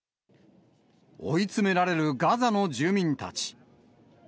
追い詰められるガザの住民たち。